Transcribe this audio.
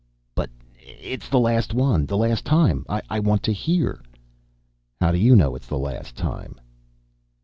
"But it's the last one. The last time. I want to hear." "How do you know it's the last time?"